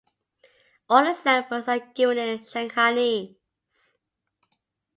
All examples are given in Shanghainese